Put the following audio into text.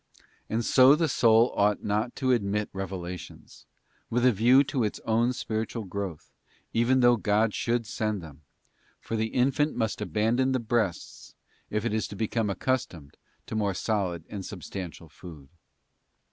And so the soul ought not to admit revelations, with a view to its own spiritual growth, even though God should send them; for the infant must abandon the breasts if it is to become accustomed to more solid and substantial food.